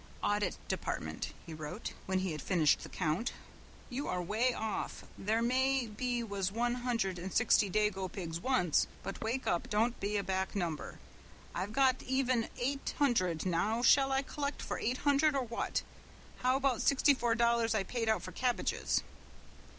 "Audit Dept." he wrote, when he had finished the count, "you are way off there may be was one hundred and sixty dago pigs once, but wake up don't be a back number. I've got even eight hundred, now shall I collect for eight hundred or what, how about sixty four dollars I paid out for cabbages."